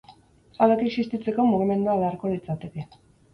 Hauek existitzeko mugimendua beharko litzateke.